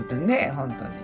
本当に。